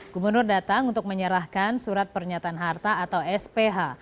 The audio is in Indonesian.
gubernur datang untuk menyerahkan surat pernyataan harta atau sph